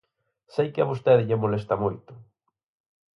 Sei que a vostede lle molesta moito.